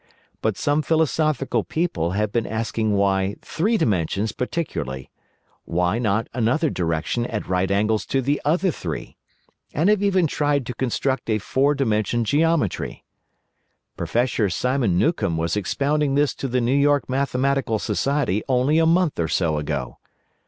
But some philosophical people have been asking why three dimensions particularly—why not another direction at right angles to the other three?—and have even tried to construct a Four Dimensional geometry. Professor Simon Newcomb was expounding this to the New York Mathematical Society only a month or so ago.